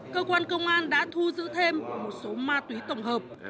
cơ quan công an đã thu giữ thêm một số ma túy tổng hợp